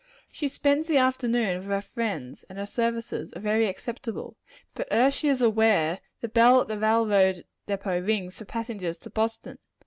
She spends the afternoon with her friend, and her services are very acceptable. But ere she is aware, the bell at the railroad depot rings for passengers to Boston.